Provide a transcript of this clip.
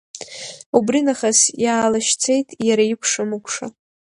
Убри нахыс иаалашьцеит иара икәша-мыкәша.